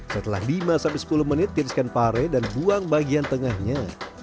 setelah lima sampai sepuluh menit tiriskan pare dan buang bagian tengahnya